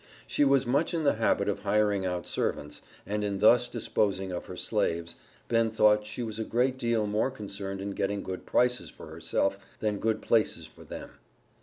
She was much in the habit of hiring out servants, and in thus disposing of her slaves Ben thought she was a great deal more concerned in getting good prices for herself than good places for them.